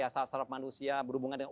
sel saraf manusia berhubungan dengan